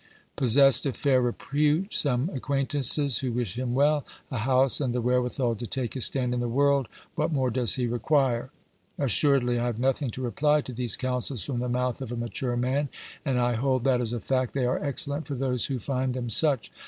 Possessed of fair repute, some acquaintances who wish him well, a house and the wherewithal to take his stand in the world, what more does he require ?— Assuredly I have nothing to reply to these counsels from the mouth of a mature man, and I hold that, as a fact, they are excellent for those who find them such.